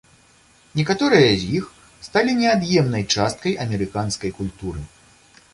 Некаторыя з іх сталі неад'емнай часткай амерыканскай культуры.